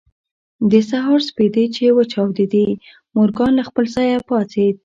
د سهار سپېدې چې وچاودېدې مورګان له خپل ځايه پاڅېد.